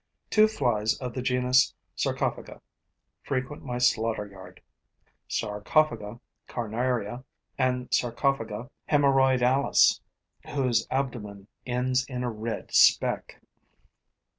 Two flies of the genus Sarcophaga frequent my slaughter yard: Sarcophaga carnaria and Sarcophaga haemorrhoidalis, whose abdomen ends in a red speck.